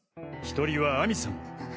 １人は亜美さん。